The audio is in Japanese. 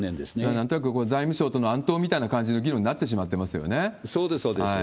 なんとなく財務省との暗闘みたいな感じの議論になってしまっそうです、そうです。